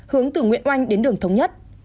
hướng từ nguyễn oanh đến đường thống nhất